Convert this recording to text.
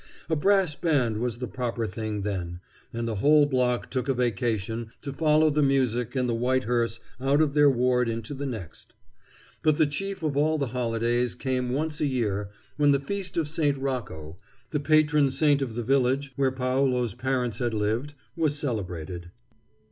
A brass band was the proper thing then, and the whole block took a vacation to follow the music and the white hearse out of their ward into the next. But the chief of all the holidays came once a year, when the feast of St. Rocco the patron saint of the village where Paolo's parents had lived was celebrated.